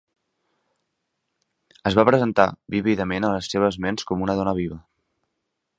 Es va presentar vívidament a les seves ments com una dona viva.